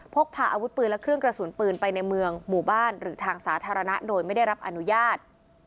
พกพาอาวุธปืนและเครื่องกระสุนปืนไปในเมืองหมู่บ้านหรือทางสาธารณะโดยไม่ได้รับอนุญาต